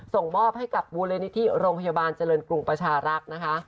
ส่งมอบให้กับมูลนิธิโรงพยาบาลเจริญกรุงประชารักษ์นะคะ